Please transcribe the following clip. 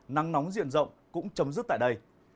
nắng nóng diện rộng cũng chấm dứt tại đây